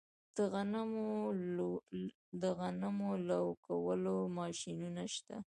د غنمو لو کولو ماشینونه شته